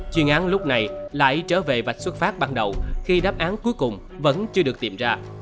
chuyên án lúc này lại trở về vạch xuất phát ban đầu khi đáp án cuối cùng vẫn chưa được tìm ra